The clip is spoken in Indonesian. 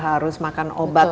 harus makan obat